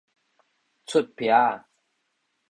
出癖仔